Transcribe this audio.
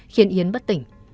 khiến yến bất tỉnh